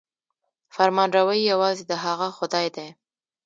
فرمانروايي یوازې د هغه خدای ده.